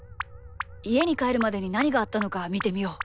いえにかえるまでになにがあったのかみてみよう。